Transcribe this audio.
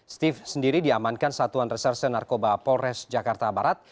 steve sendiri diamankan satuan reserse narkoba polres jakarta barat